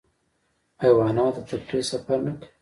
حیوانات د تفریح سفر نه کوي.